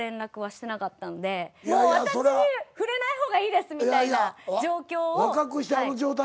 もう私に触れない方がいいですみたいな状況を。